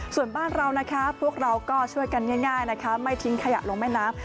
ส่วนบ้านเรานะคะพวกเราก็ช่วยกันง่ายนะคะไม่ทิ้งขยะลงแม่น้ำ